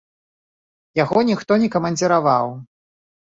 Яго ніхто не камандзіраваў.